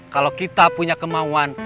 kalau kita punya kemauan